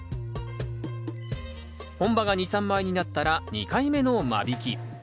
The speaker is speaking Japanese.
本葉が２３枚になったら２回目の間引き。